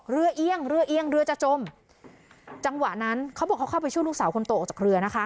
เอียงเรือเอียงเรือจะจมจังหวะนั้นเขาบอกเขาเข้าไปช่วยลูกสาวคนโตออกจากเรือนะคะ